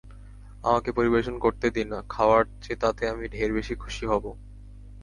আমাকে পরিবেশন করতে দিন, খাওয়ার চেয়ে তাতে আমি ঢের বেশি খুশি হব।